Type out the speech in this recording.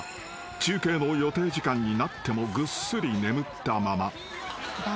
中継の予定時間になってもぐっすり眠ったまま］